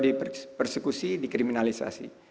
di persekusi dikriminalisasi